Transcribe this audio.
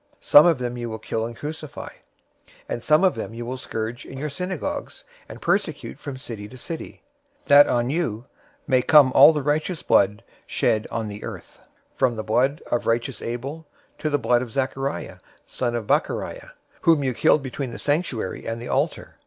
Some of them you will kill and crucify; and some of them you will scourge in your synagogues, and persecute from city to city; 023:035 that on you may come all the righteous blood shed on the earth, from the blood of righteous Abel to the blood of Zachariah son of Barachiah, whom you killed between the sanctuary and the altar.